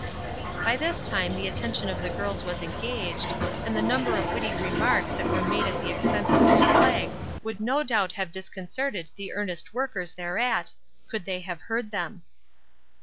By this time the attention of the girls was engaged, and the number of witty remarks that were made at the expense of those flags would no doubt have disconcerted the earnest workers thereat could they have heard them.